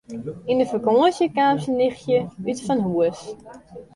Yn de fakânsje kaam syn nichtsje útfanhûs.